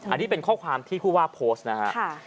อันนี้เป็นข้อความที่ผู้ว่าโพสต์นะฮะ